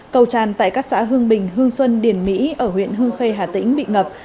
cầu tràn tại các xã hương bình hương xuân điển mỹ ở huyện hương khê hà tĩnh bị ngập